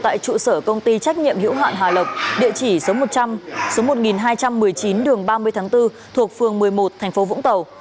tại trụ sở công ty trách nhiệm hữu hạn hà lộc địa chỉ số một trăm linh số một nghìn hai trăm một mươi chín đường ba mươi tháng bốn thuộc phường một mươi một thành phố vũng tàu